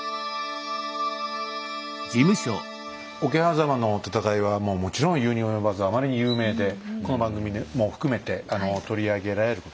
桶狭間の戦いはもうもちろん言うに及ばずあまりに有名でこの番組も含めて取り上げられることが多いですけどね